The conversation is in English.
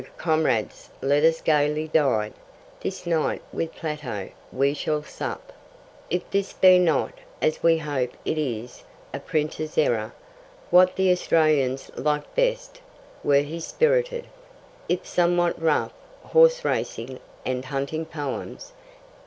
comrades let us gaily dine This night with Plato we shall sup,' if this be not, as we hope it is, a printer's error. What the Australians liked best were his spirited, if somewhat rough, horse racing and hunting poems.